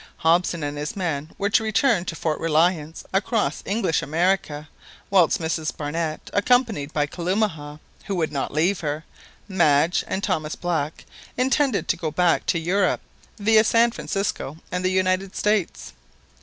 Hobson and his men were to return to Fort Reliance across English America, whilst Mrs Barnett, accompanied by Kalumah, who would not leave her, Madge, and Thomas Black, intended to go back to Europe via San Francisco and the United States.